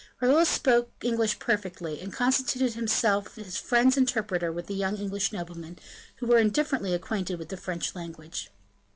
Raoul spoke English perfectly, and constituted himself his friend's interpreter with the young English noblemen, who were indifferently acquainted with the French language.